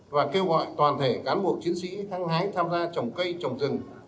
và kêu gọi toàn thể cán buộc chiến sĩ thăng hái tham gia trồng cây trồng rừng